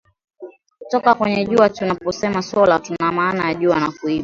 kutoka kwenye jua tunaposema sola tunamaana ya jua na kuiba